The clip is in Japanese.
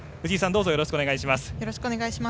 よろしくお願いします。